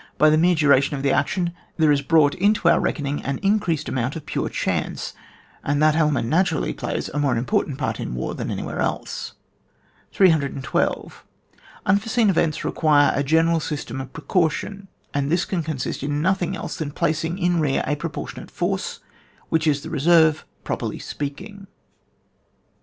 By the mere duration of the action there is brought into our reckoning an increased amount of pure chance, and that element naturally plays a more im portant part in war than anywhere else. 312. Unforeseen events require a ge neral system of precaution, and this can consist in nothing else than placing in rear a proportionate force, which is the reserve, properly speaking.